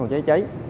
phòng cháy cháy